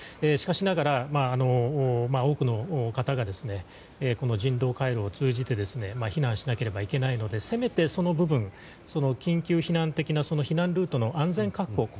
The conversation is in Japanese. しかしながら多くの方が人道回廊を通じて避難しなければいけないのでせめてその部分緊急避難的な避難ルートの安全確保